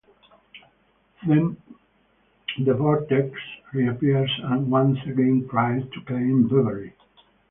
Then the vortex reappears, and once again tries to claim Beverly.